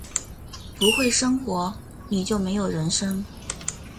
不会生活，你就没有人生